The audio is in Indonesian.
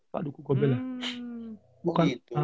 pak duku gobelle ya